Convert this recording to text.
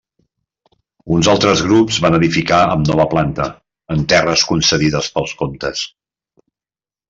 Uns altres grups van edificar amb nova planta, en terres concedides pels comtes.